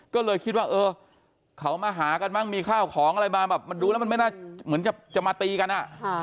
ก็เลยคิดว่าเออเขามาหากันมั่งมีข้าวของอะไรมาแบบมันดูแล้วมันไม่น่าเหมือนจะมาตีกันอ่ะ